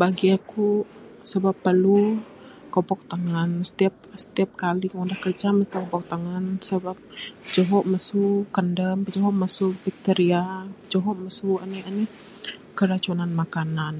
Bagi aku sebab perlu kopok tangan, setiap setiap kali ngundah kerja mesti kopok tangan sabab juho masu kandam pijuho masu bacteria, juho masu anih anih keracunan makanan.